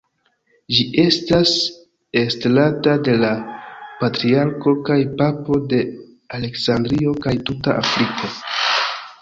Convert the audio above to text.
Ĝi estas estrata de la "Patriarko kaj Papo de Aleksandrio kaj tuta Afriko".